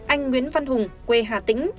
anh nguyễn văn hùng quê hà tĩnh